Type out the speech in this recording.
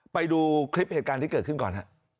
ไปดูคลิปเหตุการณ์ที่เกิดขึ้นก่อนฮะ